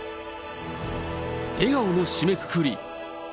笑顔の締めくくり。